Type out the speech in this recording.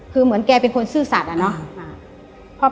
คือเหมือนแกเป็นคนซื่อสัตว์อะเนาะ